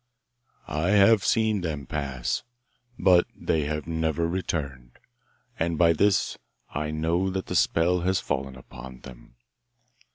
'I have seen them pass, but they have never returned, and by this I know that the spell has fallen upon them.